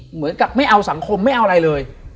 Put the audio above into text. เหมือนกับไม่เอาสังคมไม่เอาอะไรเลย